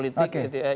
itu sangat menarik